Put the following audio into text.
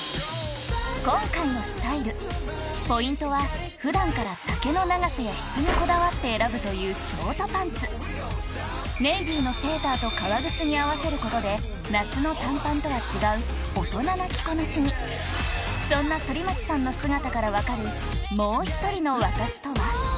今回のスタイルポイントは普段から丈の長さや質にこだわって選ぶというショートパンツネイビーのセーターと革靴に合わせることで夏の短パンとは違う大人な着こなしにそんな反町さんの姿から分かる「もうひとりのワタシ。」とは？